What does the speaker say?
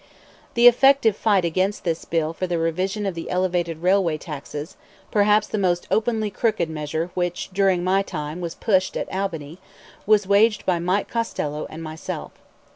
The effective fight against this bill for the revision of the elevated railway taxes perhaps the most openly crooked measure which during my time was pushed at Albany was waged by Mike Costello and myself.